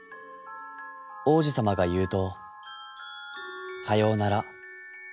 王子さまが言うと『さようなら』